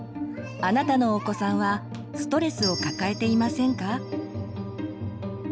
あなたのお子さんはストレスを抱えていませんか？